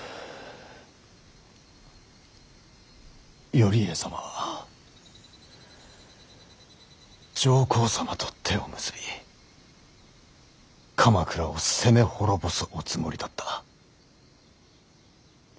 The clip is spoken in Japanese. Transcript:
頼家様は上皇様と手を結び鎌倉を攻め滅ぼすおつもりだった。